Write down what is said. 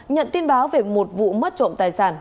nhận tin báo về một vụ mất trộm tài sản